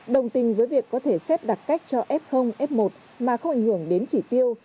đồng tình với việc có thể xét đặt cách cho f f một mà không ảnh hưởng đến chỉ tiêu